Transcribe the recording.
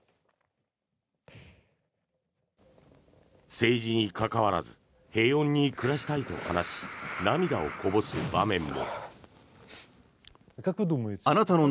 政治に関わらず平穏に暮らしたいと話し涙をこぼす場面も。